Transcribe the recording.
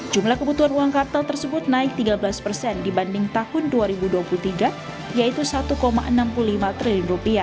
jumlah kebutuhan uang kartal tersebut naik tiga belas persen dibanding tahun dua ribu dua puluh tiga yaitu rp satu enam puluh lima triliun